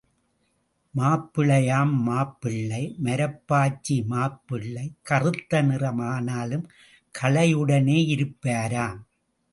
மாப்பிள்ளையாம் மாப்பிள்ளை மரப்பாச்சி மாப்பிள்ளை கறுத்த நிறம் ஆனாலும் களையுடனே இருப்பாராம்.